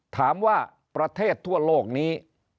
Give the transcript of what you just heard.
ถามว่าประเทศทั่วโลกนี้